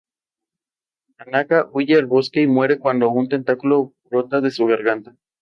En ese mismo año regresó a Francia para sumarse al Paris Saint-Germain.